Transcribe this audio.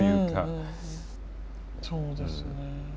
そうですね。